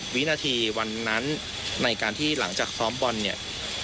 วินาทีวันนั้นในการที่หลังจากซ้อมบอลเนี่ย